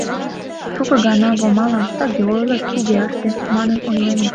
Шуко гана Вомалан «тыге ойло, туге ыште» манын ойленыт.